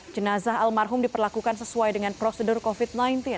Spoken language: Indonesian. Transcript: jenazah almarhum diperlakukan sesuai dengan prosedur covid sembilan belas